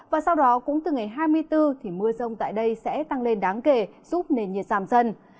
và sau đó cũng từ ngày hai mươi bốn thì mưa rông tại đây sẽ tăng lên đáng kể giúp nền nhiệt giảm dần